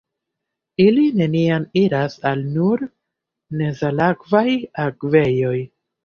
Ili neniam iras al nur nesalakvaj akvejoj.